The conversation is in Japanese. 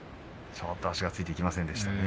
ちょっと足がついていきませんでしたね。